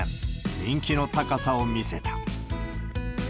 人気の高さを見せた。